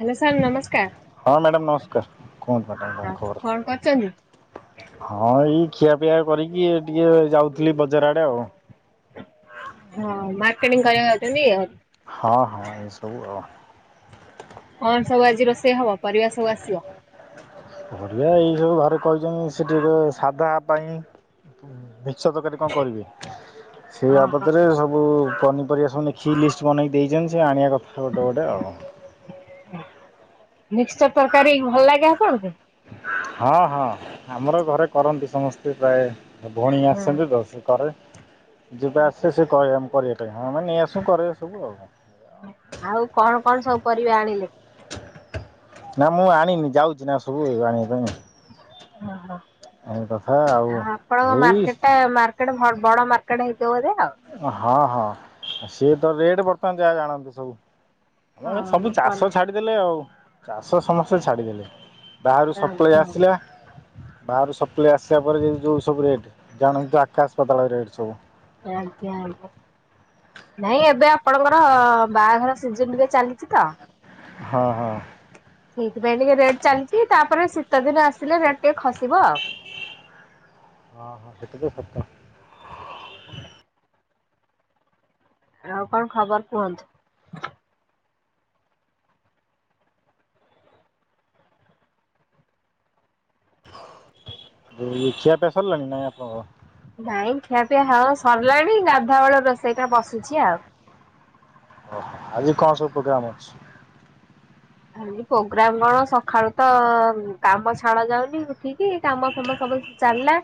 Hello sir ନମସ୍କାର madam ନମସ୍କାର କୁହନ୍ତୁ। ମ କଣ ହଁ ଖବର କଣ କରୁଛନ୍ତି? ହଁ ଏଇ ଖିଆପିଆ କରିକି ଟିକେ ଯାଉଥିଲି ବଜାର ଆଡେ ଆଉ। ହଁ, ମାର୍କେଟିଂ କରିବା ଅଉ। ହଁ ହଁ ଏସବୁ ଆଉ କଣ ସବୁ ଆଜି ରୋଷେଇ ହବ? ପରିବା ସବୁ ଆସିବ? [inaudible] ବଢିଆ ଏଇ ସବୁ ଭ କହିଛନ୍ତି ସେଠି ସାଧା ପାଇଁ ଭିକ୍ଷ ତରକାରୀ କଣ କରିବି। ସେ ବାବଦରେ ସବୁ ପନିରିବା ସବୁ ଦେଖି ଲିଷ୍ଟ ବନେଇକ ଦେଇଛନ୍ତି ସେ ଆଣିବା କଥା ଗୋଟେ ଗୋଟେ ଆଉ। ମିକ୍ସଚର ତରକାରୀ ଭଲ ଲାଗେ ଆପଣଙ୍କୁ? ହଁ ହଁ, ଆମର ଘରେ କରନ୍ତି ସମସ୍ତେ ପ୍ରାୟ। ଭଉଣୀ ଆସନ୍ତି ତ ସେ କରେ। ଯେବେ ଆସେ ସେ କହେ ଆମେ କରିବା। ହଁ ମାନେ ନେଇ ଆସୁ କର ସବୁ ଆଉ। ଆଉ କଣ କଣ ସବୁ ପରିବା ଆଣିଲେ? ନା, ମୁଁ ଆଣିନି ଯାଉଛି ଚନା ସବୁ ହେଇଗ ଆଣିବା ପାଇଁ ଆଣ କଥା ଆଉ। ଏଇ କେଡେ ଭ ବଡ ମାର୍କେଟ ହେଇଛି। ହଁ ହଁ ସିଏ ତା ରେଟ୍ ବର୍ତ୍ତମାନ ଯା ଜଣା ପଡୁଛି ସବୁ। ହଁ ରେ ସବୁ ଚାଷ ଛାଡିଦେଲେ ଆଉ। ଚାଷ ସମସ୍ତେ ଛାଡିଦେଲେଣି। ବାହାରୁ ସପ୍ଲାଇ ଆଜ୍ଞା ଆସିଲା। ବାହାରୁ ସପ୍ଲେଇ ଆସିବା ପରେ ଯେନ୍ତି ଯୋଉ ସବୁ ରେଟ ଜାଣନ୍ତୁ ଆକାଶ ପାତାଳ ରେଟ ସବୁ। ଆଞା ଭାଇ ଏବେ ଆପଣଙ୍କର ବାହାଘର ସିଜନିରେ ଚାଲିଛି ତ। ହଁ ହଁ। ସେଇଥିପାଇଁ ଟିକେ ରେଟ ଚାଲିଛି ତାପରେ ଶୀତ ଦିନ ଆସିଲେ ରେଟ ଟିକେ ଖସିବ। ଆଉ। ହଁ ହଁ କେତେ ଦୂର୍ ସ? [inaudible] [inaudible] ଆଉ କଣ ଖବର କୁହନ୍ତୁ? ଏଇ ଖିଆ ପିଆ ସରିଲାଣି ନା ନାଇଁ ଆପଣଙ୍କର। ନାଇଁ ଖିଆପିଆ ହବ ସରିଲାଣି ଗାଧୁଆ ବେଳ ରୋଷେଇଟା ବସିଛି ଆଉ। ଓଃ ଆଜି କଣ ସବୁ ପ୍ରୋଗ୍ରାମ ଅଛି? ନାଇଁ ପ୍ରୋଗ୍ରାମ କଣ ସଖାଳୁ ତ କାମ ଛାଡ଼ ଯାଉନି ଉଠିକି କାମ ଫାମ ସବୁ ଚାଲିଲା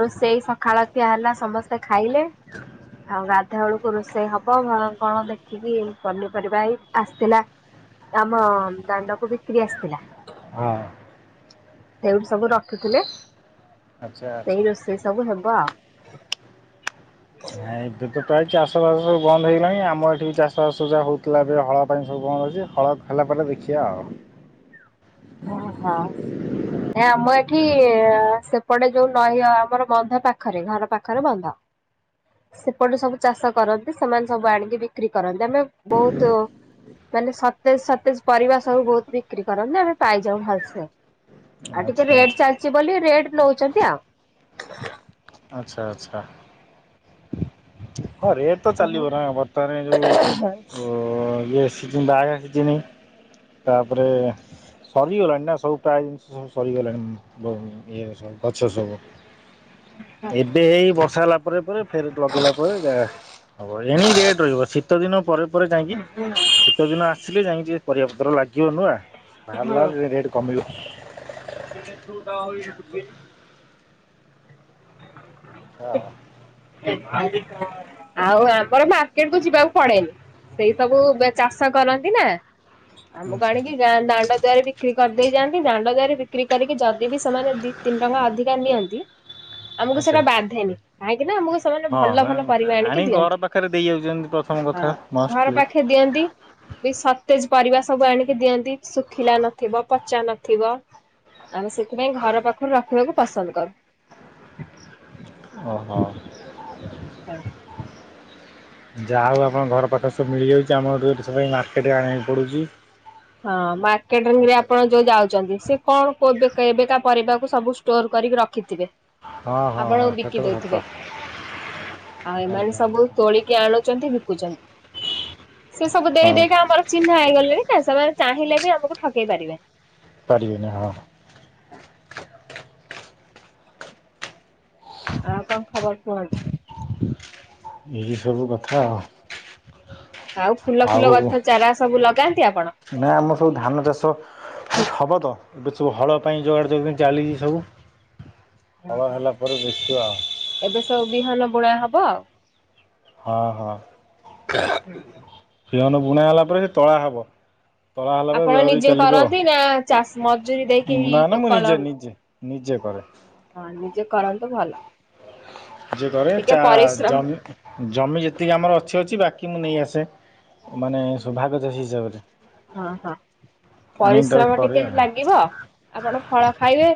ରୋଷେଇ ସଖାଳ ଖିଆ ହେଲା ସମସ୍ତେ ଖାଇଲେ ଆଉ ଗା ଗାଧୁଆ ବେଳକୁ ରୋଷେଇ ହବ ଘରେ କଣ ଦେଖିକି ପନିପରିବା ଏଇ ଆସିଥିଲା ଏ ଆମ ଦାଣ୍ଡକୁ ବିକ୍ରି ଆସିଥିଲା। ହଁ ଅଁ। ସେଉଠୁ ସବୁ ରଖୁଥିଲେ ଆଚ୍ଛା ଆଚ୍ଛା ସେଇ ରୋଷେଇ ସବୁ ହେବ ଆଉ। ନାଇଁ ଦୁକେ ପ୍ରାୟ ଚାଷ ବାସ ସବୁ ବନ୍ଦ ହେଇଗଲାଣି ଆମ ଏଠି ବି ଚାଷ ବାସ ଯାହା ହଉଥିଲା ଏବେ ହଳ ପାଇଁ ସବୁ ବନ୍ଦ ଅଛି ହଳ ହେଲା ପରେ ଦେଖିବା ଆଉ। ହେ ଆମ ଏଠି ସେପଟେ ଯୋଉ ନଈ ଆମର ବନ୍ଧ ପାଖରେ ଘର ପାଖରେ ବନ୍ଧ ସେପଟେ ସବୁ ଚାଷ କରନ୍ତି ସେମାନେ ସବୁ ଆଣିକି ବିକ୍ରି କରନ୍ତି ଆମେ ବହୁତ ମାନେ ସତେଜ ସତେଜ ପରିବା ସବୁ ବହୁତ ବିକ୍ରି କରନ୍ତି। ଆମେ ପାଇଯାଉ ଭଲସେ। ଆଉ ଟିକେ ଆଚ୍ଛା ରେଟ୍ ଆଚ୍ଛା ଚାଲିଛି ବୋଲି ରେଟ୍ ନୋଉଛନ୍ତି ଆଉ। ଆଚ୍ଛା ଆଚ୍ଛା। ହଁ ରେଟ୍ ତ ଚାଲିବ ନା ବର୍ତ୍ତମାନ ଯୋଉ ଉ ଉ ଇଏ ସିଜିନ ବାହାଘର ସିଜିନି ତାପରେ ସରିଗଲାଣି ନା ସବୁ ପ୍ରାୟ ଜିନିଷ ସବୁ ସରିଗଲାଣି ଇଏ ସବୁ ଗଛ ସବୁ ଏବେ ହେଇ ବର୍ଷା ହେଲା। ପରେ ପରେ ଫେର ତ ଲଗେଇ। ପରିବା ହବ ଏଣିକି ରେଟ୍ ରହିବ ଶୀତ ଦିନ ପରେ ପରେ ଯାଇକି ଶୀତଦିନ ଆସିଲେ ଯାଇଙ୍କି ପରିବାପତ୍ର ଲାଗିବ ନୂଆଁ। ବାହାରଲାରୁ ରେଟ କମିବ। [inaudible] ହଁ। ଆଉ ଆମର ମାର୍କେଟ କୁ ଯିବାକୁ ପଡେନି। ସେଇ ସବୁ ଚାଷ କରନ୍ତି ନା। ଆମକୁ ଆଚ୍ଛା ଆଣିକି ଗାଁ ଦାଣ୍ଡ ଦୁଆରେ ବିକ୍ରି କରିଦେଇ ଯାନ୍ତ। ଦାଣ୍ଡ ଦୁଆରେ ବିକ୍ରି କରିକି ଯଦି ବିି ସେମାନେ ଦି ତିନି ଟଙ୍କା ଅଧିକା ନିଅନ୍ତି ଆମକୁ ଆଚ୍ଛା। ସେଇଟା ବାଧେନି। କାହିଁକି ନା ଆମକୁ ସେମାନେ ଭଲ ହଁ ଭଲ ପରିବା ଆଣିକି ଆଣି ଘର ଦିଅନ୍ତି। ପାଖରେ ଦେଇଯାଉଛନ୍ତି ପ୍ରଥମ ହଁ କଥା ଘର ମଷ୍ଟଲି ପାଖେ ଦିଅନ୍ତି। ବି ସ ତେଜ ପରିବା ସବୁ ଆଣିକି ଦିଅନ୍ତି ଶୁଖିଲା ନଥିବ, ପଚା ନଥିବ, ଆମେ ସେଥିପାଇଁ ଘର ପାଖରୁ ରଖିବାକୁ ପସନ୍ଦ କରୁ। ଅହ। ହଁ। ଯାହା ହଉ ଆପଣ ଘର ପାଖରେ ସବୁ ମିଳିଯାଉଛି। ଆମରଠୁ ଏ ମାର୍କେଟରେ ଆଣିବାକୁ ପଡ଼ୁଛି। ହଁ, ମାର୍କେଟିଂ ରେ ଆପଣ ଯୋଉ ଯାଉଛନ୍ତି। ସେ କଣ କୋ କେବେକା ପରିବାକୁ ସବୁ ଷ୍ଟୋର କରିକି ରଖିଥିବେ। ହଁ ହଁ ହଁ ଆପଣଙ୍କୁ ବିକି ସେଟା ତ ସତ ଦଉଥିବେ। ଆଉ ଏମାନେ ଆଜ୍ଞା ସବୁ ହଁ। ତୋଳିକି ଆଣୁଛନ୍ତି ବିକୁଚନ୍ତି। ସେ ସବୁ ଦେଇ ହଁ ଦେଇକି ଆମର ଚିହ୍ନା ହେଇଗଲେଣି ନା। ଚାହିଁଲେ ବି ଆମକୁ ଠକେଇ ପାରିବେ। ପାରିବେନି ହଁ। ଆଉ କଣ ଖବର କୁହନ୍ତୁ? ଏଇ ସବୁ କଥା ଆଉ। ଆଉ ଫୁଲ ଫୁଲ ଆଉ ଗଛ ଚାରା ସବୁ ଲଗାନ୍ତି ଆପଣ? ନା ଆମର ସବୁ ଧାନ ଚାଷ ହବ ତ ଏବେ ସବୁ ହଳ ପାଇଁ ଯୋଗାଡ଼ ଯୋଗ ଚାଲିଛି ସବୁ। ହଳ ହେଲାପରେ ଦେଖିବାଆଉ। ଏବେ ସବୁ ବିହନ ବୁଣା ହବ ଆଉ। ହଁ ହଁ ବିହନ ବୁ ବୁଣା ହେଲା ପରେ ସେ ତଳା ହବ। ଆପଣ ନିଜେ କରନ୍ତି! ନା ଚାଷ ମଜୁୁରୀ ଦେଇକି ନା ନା ମୁଁ ଲୋକ ନିଜେ ଲ ନିଜେ ନିଜେ କରେ। ହଁ ନିଜେ କରନ୍ତୁ ଭଲ। ଯେ କରେ ଟିକେ ଚା ପରିଶ୍ରମ ଜମି ଜମି ଯେତିକି ଆମର ଅ କିଛି ଅଛି। ବାକି ମୁଁ ନେଇ ଆସେ, ମାନେ ସବୁ ଭାଗ ଚାଷୀ ହିସାବରେ। ହ ହଁ ଆଣିକି ତାକୁ ପରିଶ୍ରମ କରେ ଟିକେ ଆଉ। ଲାଗିବ। ଆପଣ ଫଳ ଖାଇବେ।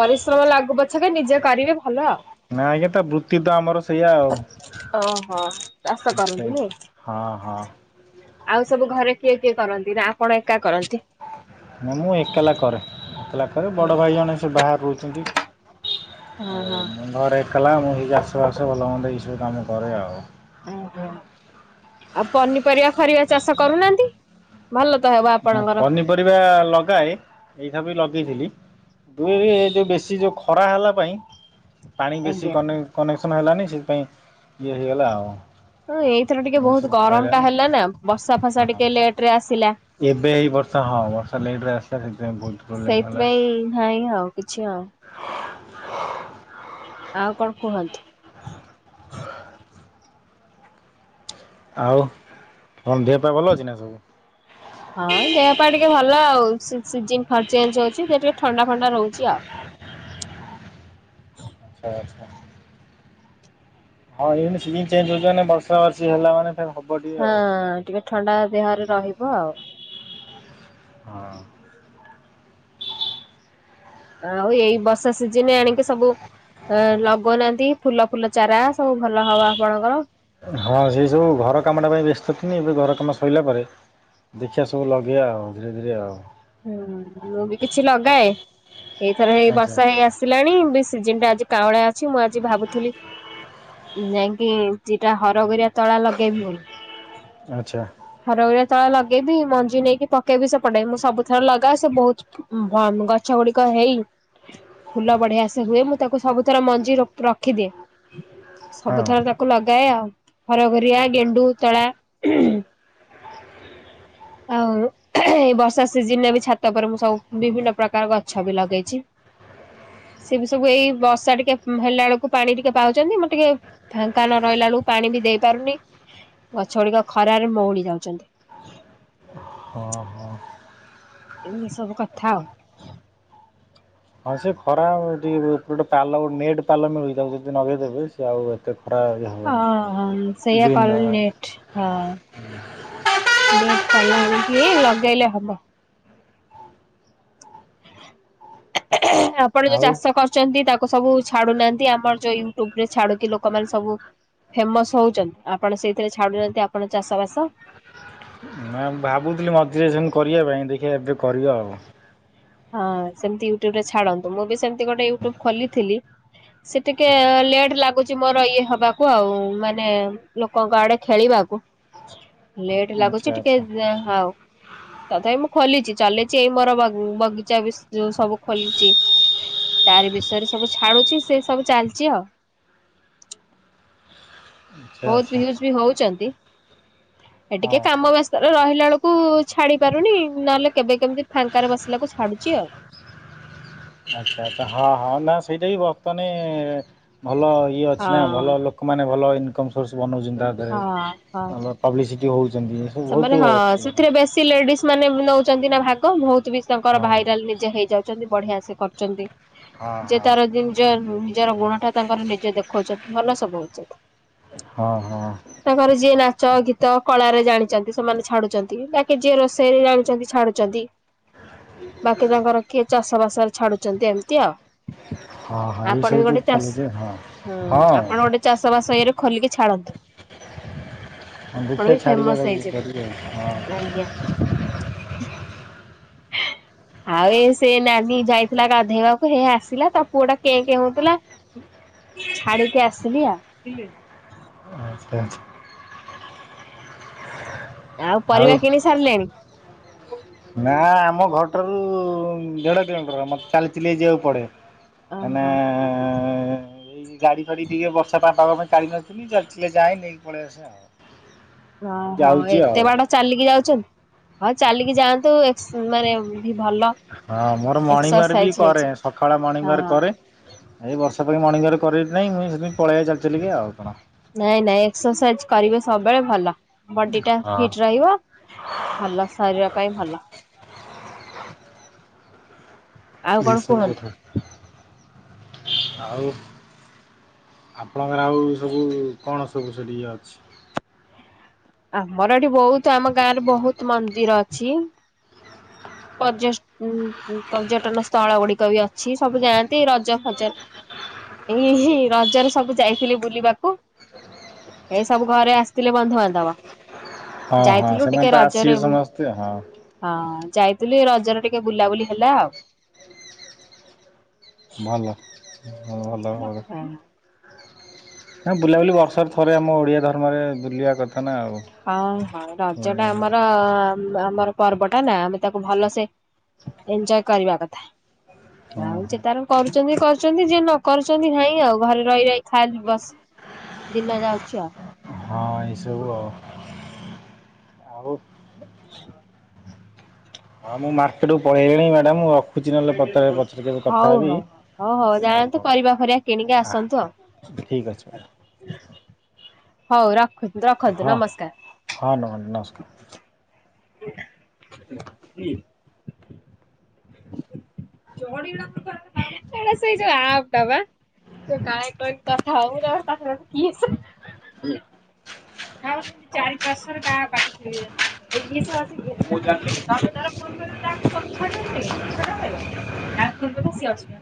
ପରିଶ୍ରମ ଲାଗୁ ପଛକେ ନିଜେ କରିବେ ଭଲଅ। ନାଇଁ, ଆଜ୍ଞା ତ ବୃତ୍ତି ତ ଆମର ସେଇଆ ଆଉ ଓହୋ ଚାଷ କରନ୍ତିନି ସେଇତ ହଁ ହଁ। ଆଉ ସବୁ ଘରେ କିଏ? କରନ୍ତି ନା ଆପଣ ଏକା କରନ୍ତି ମୁଁ ଏକଲା କରେ ଏକଲା ହଁ ବଡ ଭାଇ ଜଣେ ସେ ବା ବାହାର ରହୁଛନ୍ତି ଓ ହଁ ମୁଁ ଘରେ କଲା ମୁଁଇ ଆକ୍ସ ବାସ ଭଲ ମନ୍ଦେ ଏସବୁ କାମ କରେ ଆଉ ଓହୋ ଆଉ ପନିପରିବା ଫରିବା ଚାଷ କରୁନାହାନ୍ତି ଭଲ ତ ହେବ ଆପଣଙ୍କର ପନିପରିବା ଲଗାଏ ଏସାବି ଲଗା ଦେଇଥିଲ ଦୁ ଯୋଉ ବେଶୀ ଯୋଉ ଖରା ହେଲା ପାଇଁ ପାଣି ବେଶୀ ଆଜ୍ଞା। କନେକ୍ସନ ନ ହେଲାନି ସେଥିପାଇଁ ଇଏ ହେଇଗଲା ଆଉ ହଁ ଏଇଥର ଟିକେ ସେ ବହୁତ ଗରମ ଟା ଫଳିଲାନି ହେଲା ନା ବର୍ଷା ଫସା ହଁ। ଟିକେ ଲେଟରେ ଆସିଲା ଏବେ ଏଇ ବର୍ଷା ହଁ ବର୍ଷା ଲେଟରେ ଆସିଲା ସେଥିପାଇଁ ବହୁତ ପ୍ରୋବ୍ଲେମ ହେଲା ହଉ କିଛି ଆଉ ଆଉ କଣ କୁହନ୍ତୁ ଆଉ ତମ ଦେହ ପା ଭଲ ଅଛି ନା ସବୁ? ହଁ ଦେହ ପା ଟିକେ ଭଲ ଆଉ ସିଜିନ ଚେଞ୍ଜ ହଉଛି ସେ ଟିକେ ଥଣ୍ଡା ଫଣ୍ଡା ରହୁଛି ଆଉ ହଁ [inaudible] ଆଛା ଆଛା ହଁ ଏଇନେ ସିଜିନ ଚେଞ୍ଜ ହଉଛେ ନା ହେଲା ମାନେ ଫେର୍ ହବ ଟିକେ ହଁ ଆଉ କଣ କରିବା ଟିକେ ଥଣ୍ଡା ଦେହରେ ରହିବ ଆଉ ହଁ ଆଉ ଏଇ ବର୍ଷା ସିଜନରେ ଆଣିକି ସବୁ ଲଗଉନାହାନ୍ତି ଫୁଲ ଫୁଲ ଚାରା ସବୁ ଭଲ ହବ ଆପଣଙ୍କର ହଁ ସେ ସବୁ ଘର କାମଟା ପାଇଁ ବ୍ୟସ୍ତ ଥିନି ଏବେ ଘର କାମ ସଇଲା ପରେ ଦେଖିବା ସବୁ ଲଗେଇବା ଆଉ ଧୀରେ ଧୀରେ ଆଉ ହୁଁ ମୁଁ ବି କିଛି ଲଗାଏ ଏଇଥର ହେଇ ଆଚ୍ଛା ବର୍ଷା ହେଇ ଆସିଲାଣି ସିଜନ ଟା ଆଜି କାଉଳା କିଛି ମୁଁ ଆଜି ଭାବୁଥିଲି ନାଇ ଦିଟା ହରଗଉରିଆ ତଳା ଲଗେଇବି ବୋଲି ଆଚ୍ଛା ରହିରା ତଳ ଲଗେଇବି ମଞ୍ଜି ନେଇକି ପକେଇବି ରୋଇର ତଳ ଲଗେଇବି ମଞ୍ଜି ନେଇ ପକେଇବି ସେପଟେ ମୁଁ ସବୁଥର ଲଗାଏ ସେ ବହୁତ ଗଛ ଗୁଡିକ ହେଇ ଫୁଲ ବଢିଆ ସେ ହୁଏ ମୁଁ ତାକୁ ସବୁଥର ମଞ୍ଜି ରଖିଦିଏ ହଁ ସବୁଥର ତାକୁ ଲଗାଏ ଆଉ । ହରଘରିଆ, ଗେଣ୍ଡୁ, ତଳା ଆଉ ଏଇ ବର୍ଷା ସି ଯାଉଛନ୍ତି। ହଁ ହଁ। ଏମିତି ସବୁ କଥା ଆଉ। ହଁ ସେ ଖରା ଟିକେ ଗୋଟେ ପାଲ ନେଟ ପାଲ ମିଳୁଚି ତାକୁ ଯଦି ନଗେଇଦେବେ ସେ ଆଉ ଏତେ ଖରା ଇଏ ହଁ ହବନି ହ ସେଇଆ ଗ୍ରୀନ୍ କଲେ ଲେଟ ହଁ ଲେଟ କଲାଣି କି ଲଗେଇଲେ ହବ। ଏ ଏ ଏହେ଼ ଆପଣ ଯୋଉ ଆଉ ଚାଷ କରୁଛନ୍ତି ତା ଲୋକ ସବୁ ଛାଡୁନାହାନ୍ତି ଆମର ଯୋଉ ୟୁଟ୍ୟୁବ ରେ ଛାଡୁ କି ଲୋକମାନେ ସବୁ ଫେମସ ହଉଛନ୍ତି । ଆପଣ ସେଇଥିରେ ଛାଡୁନାହାନ୍ତି ଆପଣ ଚାଷ ବାସ । ନା ଭାବୁଥିଲି ମଝିରେ ସେମତି କରିବା ପାଇଁ ଦେଖିବା ଏବେ କରିବ ଆଉ। ହଁ ସେମତି ୟୁଟ୍ୟୁବ ରେ ଛାଡନ୍ତୁ । ମୁଁ ବି ସେମିତି ଗୋଟେ ୟୁଟ୍ୟୁବ ଖୋଲିଥିଲି । ସେ ଟିକେ ଲେଟ୍ ଲାଗୁ ମୋର ଇଏ ହବାକୁ ଆଉ ମାନେ ଲୋକଙ୍କ ଆଡେ ଖେଳିବାକୁ । ଲେଟ୍ ଆଚ୍ଛା ଲାଗୁଛି ଟିକେ ଆଚ୍ଛା ହଉ ତଥାପି ମୁଁ ଖୋଲିଛି । ଚଲେଇଛି ଏଇ ମୋର ବଗ ବଗି ବି ଯୋଉ ସବୁ ଖୋଲିୁଛି ।ତାର ବିଷୟରେ ସବୁ ଛାଡୁଛି। ସେ ସବୁ ଚାଲିଛି ଆଉ। ଆଚ୍ଛା ବହୁତ ଆଚ୍ଛା ଭିୟୁଜ ବି ହଉଛନ୍ତି। ଏ ଟିକେ ହଁ କାମ ବ୍ୟସ୍ତାରେ ରହିଲା ବେଳ କୁ ଛାଡି ପାରୁନି ନହେଲେ କେବେ କେମିତି? ଫାଙ୍କାରେ ବସିଲାକୁ ଛାଡୁଛି ଆଉ। ଆଚ୍ଛା ଆଚ୍ଛା ହଁ ହଁ ନା ସେଇଟା ହି ବର୍ତ୍ତମାନେ ଭଲ ଇଏ ଅଛି ନା ହଁ। ଭଲ ଲୋକମାନେ ଭଲ ଇନ କମ ସୋର୍ସ। ବନଉଚନ୍ତି ତା ହଁ ହଁ। ଦେହେରେ ପବ୍ଲିସିଟି ହେଉ ସେମାନେ ହଁ ସେଥିରେ ବେଶୀ ଲେଡିସ୍ ମାନେ ନଉଛନ୍ତି ନା ଭାଗ ବହୁତ ବି ତାଙ୍କର ହଁ ଭାଇରାଲ ନିଜେ ହେଇଯାଉଛନ୍ତି। ବଢ଼ିଆ ସେ କରିୁଛନ୍ତି। ହଁ ଯେ ହଁ। ତାର ନିଜ ନିଜର ଗୁଣ ଟା ତାଙ୍କର ନିଜେ ଦେଖଉଛ ଭଲ ସବୁ ଉଚିତ। ହଁ ହଁ ତାଙ୍କର ଯିଏ ନାଚ, ଗୀ ତ କଳାରେ ଜାଣି ଯଦି ସେମାନେ ଛାଡୁଛନ୍ତି। ତାକେ ଯିଏ ରୋଷେଇରେ ଜାଣିଛନ୍ତି ଛାଡୁଛନ୍ତି। ବାକି କଣ କର କି ଚାଷ ସମସ୍ତଙ୍କ ଛାଡ଼ୁଛନ୍ତି ଏମିତି ଆଉ। ହଁ ହଁ ଆପଣ ବି ଏଇସବୁ ଯୋଉ ଗୋଟେ ଚାଷୀ ଚାଲିଛି ହଁ ହୁଁ। ହଁ ଆପଣ ଗୋଟେ ଚାଷ ବାସ ଇଏରେ ଖୋଲିକି ଛାଡ଼ନ୍ତୁ। ହଁ ଦେଖିଆ ଛାଡିବା ଖୋଲିକି ଆଜ୍ଞା। କରିବେ ଆଉ ହଁ। ଆଉ ଏ ସେ ନାନୀ ଯାଇଥିଲା ଗାଧେଇବାକୁ ହେ ଆସିଲା ତା ପୁଅ ଟା କେଁ କେଁ ହଉଥିଲା ଛାଡିକି ଆସିଲି ଆଉ। ହଁ। ଆଉ ପରିବା କିଣି ସାରିଲେଣି? ନା ଆମ ଘରଟାରୁ ଦେଢ କିଲୋମିଟର। ମତେ ଚାଲିି ଚାଲି ଯିବାକୁ ପଡେ। ମାନେ ଓହୋ ଏଁ- ଏଁ- ଏଁ- ଏଁ ଏଇ ଗାଡି ଫାଡି ଟିକେ ବର୍ଷା ପାଗ ପାଇଁ କାଢି ନଥିଲି ଚାଲିଥିଲେ ଯାଏଁ ନେଇକି ପଳେଇ ଆସେ ଆଉ। ଏଇ ଓହୋ ଯାଉଛି ଏତେ ଆଉ ବାଟ ଚାଲିକି ଯାଉଚନ୍ତି? ହଁ ଚାଲିକି ଯାଆନ୍ତୁ ଏକ୍ସ ମାନେ ବି ଭଲ ହଁ ମୋର ମର୍ଣ୍ଣି ୱାର୍କ ବି ଏକ୍ସରସାଇଜ କରେ। ହେଇଛି। ସକାଳ ମର୍ଣ୍ଣିିଂ ୱାର୍କ ହଁ କରେ ଏଇ ବର୍ଷା ପାଇଁ ମର୍ଣ୍ଣି ୱାର୍କ କରିଲିନେଇଁ ମୁଇଁ ସେଥିପାଇଁ ପଳେଇ ଆଇଲି ଚାଲି ଚାଲିକି ଆଉ କଣ? ନାଇଁ ନାଇଁ ଏକ୍ସରସାଇଜ କରିବେ ସବୁବେଳେ ଭଲ। ବଡି ଟା ହଁ ଫିଟ ରହିବ ଭଲ ଶରୀର ପାଇଁ ଭଲ। ଆଉ ଏଇ କଣ ସବୁ କୁହନ୍ତୁ? କଥା। ଆଉ ଆପଣଙ୍କର ଆଉ ସବୁ କଣ ସବୁ ସେଠି ଇଏ ଅଛି? ଆମର ଏଠି ବହୁତ ଆମ ଗାଁ ରେ ବହୁତ ମନ୍ଦିର ଅଛି। ପର୍ଯ୍ୟ ସନ୍ ଉଁ ପର୍ଯ୍ୟଟନ ସ୍ଥଳ ଗୁଡିକ ବି ଅଛି। ସବୁ ଯାଆନ୍ତି ରଜ ଫଜରେ ଏଇ ଏଇ ରଜରେ ସବୁ ଯାଇଥିଲେ ବୁଲିବାକୁ ଏଇ ସବୁ ଘରେ ଆସିଥିଲେ ବନ୍ଧୁବାନ୍ଧବ। ହଁ ହଁ ଯାଇଥିଲୁ ଟିକେ ସେମାନେ ତ ଆସିବେ ସମସ୍ତେ ଆଉ ହଁ। ଯାଇ ବି ବୋଲି ରଜରେ ଟିକେ ବୁଲାବୁଲି ହେଲା ଆଉ । ଭଲ। ହୁଁ ଭଲ ଭାବରେ ନା ବୁଲାବୁଲି ବର୍ଷରେ ଥରେ ଆମ ଓଡ଼ିଆ ଧର୍ମରେ ବୁଲିବା କଥା ନା ଆଉ। ହଁ ହଁ ରଜ ଟା ଆମର ଆମର ପର୍ବଟା ନା ଆମେ ତାକୁ ଭଲସେ ଏଞ୍ଜୟ କରିବା କଥା। ହଁ ଆଉ ସେ ତାର କରୁ କରୁଚନ୍ତି କରୁଚନ୍ତି ଯିଏ ନକରୁଚନ୍ତି ନାହିଁ ଆଉ। ଘରେ ରହି ରହି ଖାଇ ବସି ଦିନ ଯାଉଛି ଆଉ । ହଁ ଏସବୁ ଆଉ । ଆଉ ହ ହଁ ମୁଁ ମାର୍କୁ ପଳେଇଲିଣି ମ୍ୟାଡାାମ ମୁ ହଉ ହଉ ହଉ ହଉ ହଉ ଯାଣନ୍ତୁ ଆଉ କରିବା ଫିବା କିଣିକି ଆସନ୍ତୁ ଠିକ୍ ଅଛି ମ୍ୟାଡ଼ାମ ଆଉ ହଉ ରଖ ହଁ ହଁ ନ ନମସ୍କାର ହଁ ଥା ହଉ ତି ଚାରି ପାଞ୍ଚ ହରେ ଗାଁ ପାଠ ଜ ଅ ତମେ ତର ଫୋ କରିବ ଯାହା ତମେ ଛଟା ଖବ ତମେ ଛଟା ଖବ ଯାହା ଫ କର ସିଏ ଅସୁଧା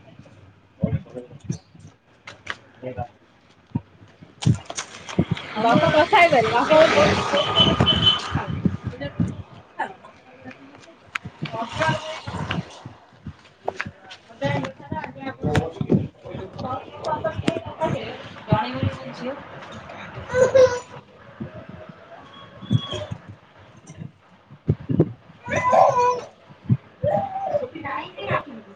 ାର ଜଣ [inaudible]